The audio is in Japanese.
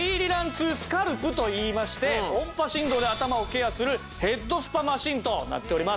２スカルプといいまして音波振動で頭をケアするヘッドスパマシンとなっております。